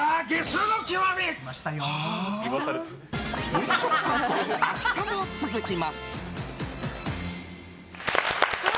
肉食さんぽ、明日も続きます！